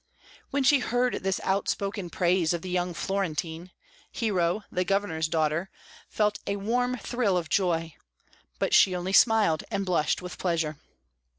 When she heard this outspoken praise of the young Florentine, Hero, the Governor's daughter, felt a warm thrill of joy, but she only smiled and blushed with pleasure.